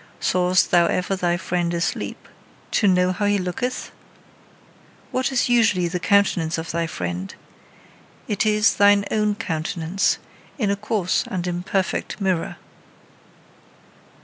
Sawest thou ever thy friend asleep to know how he looketh? What is usually the countenance of thy friend? It is thine own countenance, in a coarse and imperfect mirror.